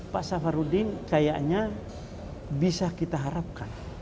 pak safarudin kayaknya bisa kita harapkan